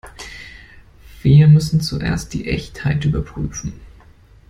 Wir müssen zuerst die Echtheit überprüfen.